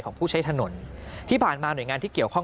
ของผู้ใช้ถนนที่ผ่านมาหน่วยงานที่เกี่ยวข้อง